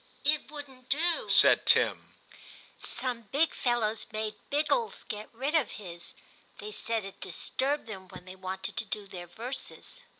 ' 'It wouldn't do/ said Tim; 'some big fellows made Biggies get rid of his ; they said it disturbed them when they wanted to do their verses.'